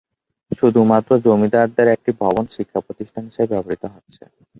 শুধুমাত্র জমিদারদের একটি ভবন শিক্ষা প্রতিষ্ঠান হিসেবে ব্যবহৃত হচ্ছে।